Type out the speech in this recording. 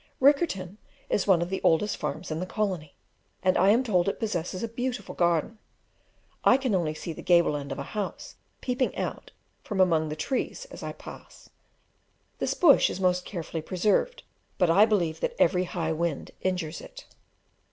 Riccarton is one of the oldest farms in the colony, and I am told it possesses a beautiful garden. I can only see the gable end of a house peeping out from among the trees as I pass. This bush is most carefully preserved, but I believe that every high wind injures it.